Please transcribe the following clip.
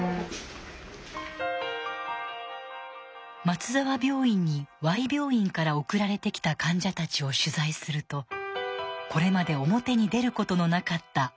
松沢病院にＹ病院から送られてきた患者たちを取材するとこれまで表に出ることのなかったある問題が浮かび上がってきました。